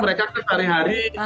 karena mereka kan sehari hari